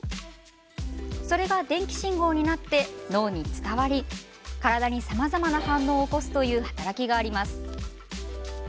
それが電気信号になって脳に伝わり体にさまざまな反応を起こすという働きがあります。